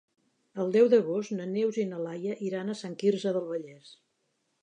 El deu d'agost na Neus i na Laia iran a Sant Quirze del Vallès.